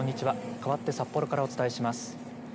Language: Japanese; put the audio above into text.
かわって札幌からお伝えします。